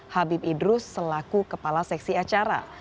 habib idrus selaku kepala seksi acara